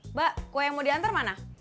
mbak kue yang mau diantar mana